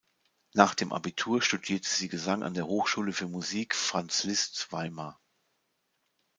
Nach dem Abitur studierte sie Gesang an der Hochschule für Musik Franz Liszt Weimar.